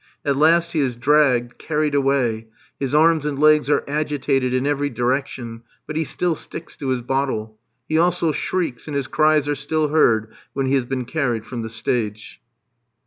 At last he is dragged, carried away. His arms and legs are agitated in every direction, but he still sticks to his bottle. He also shrieks, and his cries are still heard when he has been carried from the stage.